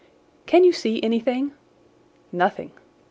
"Can you see anything?" "Nothing."